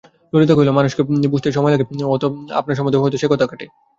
ললিতা কহিল, মানুষকে বুঝতে সময় লাগে, আপনার সম্বন্ধেও হয়তো সে কথা খাটে।